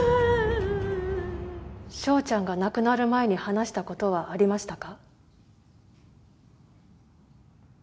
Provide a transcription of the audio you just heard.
翔ちゃんが亡くなる前に話したことはありましたか？